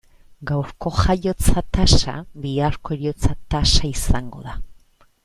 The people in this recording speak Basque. Gaurko jaiotza tasa biharko heriotza tasa izango da.